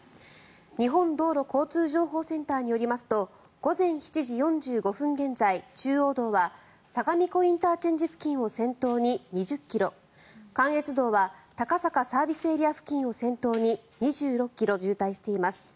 日本道路交通情報センターによりますと午前７時４５分現在、中央道は相模湖ＩＣ付近を先頭に２０ｋｍ関越道は高坂ＳＡ付近を先頭に２６ｋｍ渋滞しています。